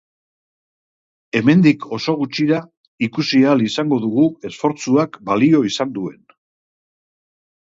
Hemendik oso gutxira ikusi ahal izango dugu esfortzuak balio izan duen.